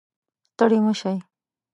ستړي مه شئ